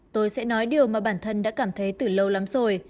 tôi sẽ nói điều mà bản thân đã cảm thấy từ lâu lắm rồi